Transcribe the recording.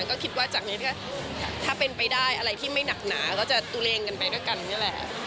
ก็คิดว่าจากนี้ถ้าเป็นไปได้อะไรที่ไม่หนักหนาก็จะตัวเองกันไปด้วยกันนี่แหละ